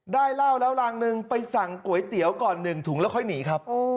ได้เหล้าแล้วรังหนึ่งไปสั่งก๋วยเตี๋ยวก่อน๑ถุงแล้วค่อยหนีครับ